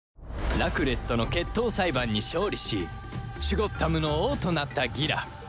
ラクレスとの決闘裁判に勝利しシュゴッダムの王となったギラ